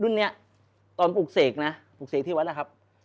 รุ่นนี้ตอนปลูกเสกนะปลูกเสกที่วัดนะครับ